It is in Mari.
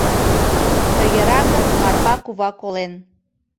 Тыгеракын Марпа кува колен.